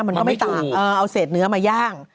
มันก็ไม่ต่างเอาเศษเนื้อมาย่าง